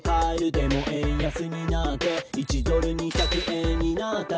「でも円安になって１ドル２００円になったら」